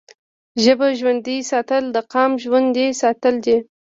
ژبه ژوندی ساتل د قام ژوندی ساتل دي.